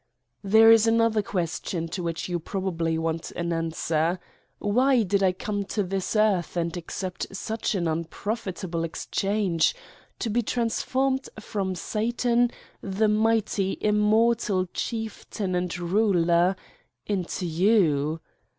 There is another question to which you prob ably want an answer: Why did I come to this earth and accept such an unprofitable exchange: to be transformed from Satan, "the mighty, im mortal chieftain and ruler" into you?